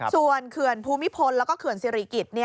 ส่วนเขื่อนภูมิพลแล้วก็เขื่อนสิริกิจ